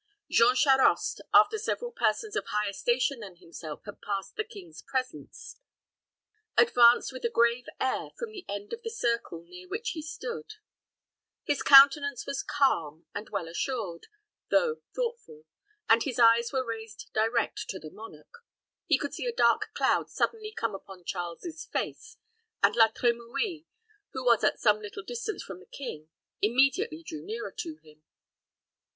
Jean Charost, after several persons of higher station than himself had passed the king's presence, advanced with a grave air from the end of the circle near which he stood. His countenance was calm and well assured, though thoughtful, and his eyes were raised direct to the monarch. He could see a dark cloud suddenly come upon Charles's face, and La Trimouille, who was at some little distance from the king, immediately drew nearer to him.